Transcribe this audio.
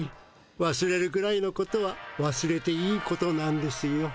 わすれるくらいのことはわすれていいことなんですよ。